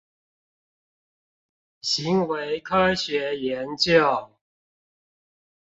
行為科學研究